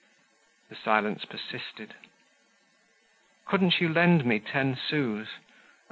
The silence persisted. "Couldn't you lend me ten sous?